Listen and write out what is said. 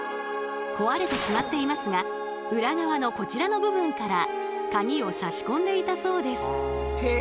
壊れてしまっていますが裏側のこちらの部分からカギを差し込んでいたそうです。